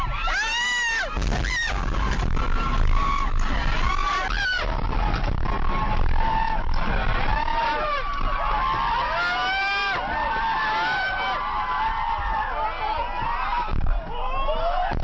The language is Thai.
ถูกหวังว่าช่างในนี่อ่านิมล้อมโดยหมดดังค่ะ